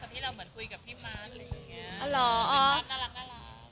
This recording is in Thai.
เหมือนคุยกับพี่มั๊นอะไรอย่างนี้